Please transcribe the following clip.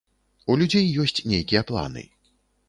У людзей ёсць нейкія планы.